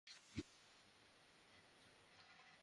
এক ঘন্টা পর তোর ইন্টারভিউ আছে।